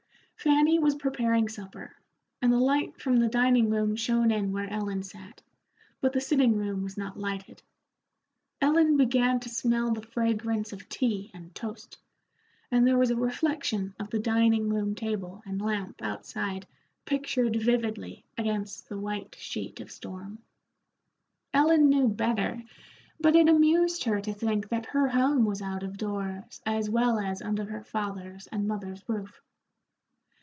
Fanny was preparing supper, and the light from the dining room shone in where Ellen sat, but the sitting room was not lighted. Ellen began to smell the fragrance of tea and toast, and there was a reflection of the dining room table and lamp outside pictured vividly against the white sheet of storm. Ellen knew better, but it amused her to think that her home was out of doors as well as under her father's and mother's roof.